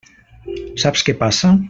Saps què passa?